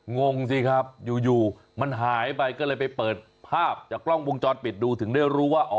งงสิครับอยู่มันหายไปก็เลยไปเปิดภาพจากกล้องวงจรปิดดูถึงได้รู้ว่า